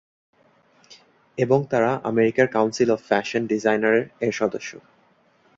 এবং তারা আমেরিকার কাউন্সিল অব ফ্যাশন ডিজাইনার এর সদস্য।